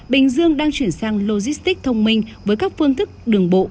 bình dương đang chuyển sang logistic thông minh với các phương thức đường bộ